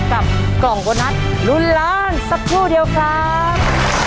กับกล่องโบนัสลุ้นล้านสักครู่เดียวครับ